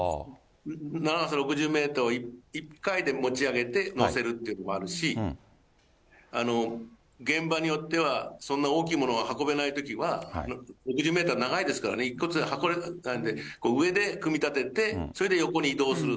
長さ６０メートルを一回に持ち上げて載せるというのもあるし、現場によっては、そんな大きいものは運べないときは、６０メートル長いですからね、１個ずつ運べないんで、上で組み立ててそれで横に移動する。